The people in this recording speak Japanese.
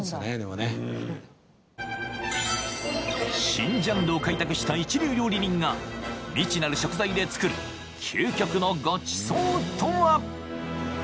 ［新ジャンルを開拓した一流料理人が未知なる食材で作る究極のごちそうとは？］